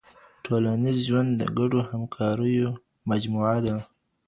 ټولنيز ژوند د ګډو همکاريو مجموعه ده.